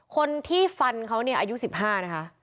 คนที่ฟันเขาอายุ๑๕นะคะ